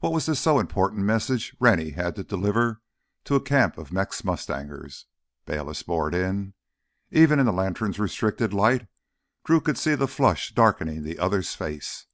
"What was this so important message Rennie had to have delivered to a camp of Mex mustangers?" Bayliss bored in. Even in the lantern's restricted light Drew could see the flush darkening the other's face.